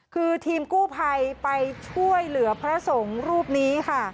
คือทีมกู้ภัยไปช่วยเหลือพระสงฆ์รูปนี้ค่ะ